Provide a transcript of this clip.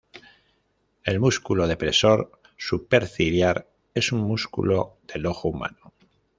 El músculo depresor superciliar es un músculo del ojo humano.